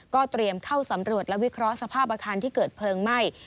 เตรียมเข้าสำรวจและวิเคราะห์สภาพอาคารที่เกิดเพลิงไหม้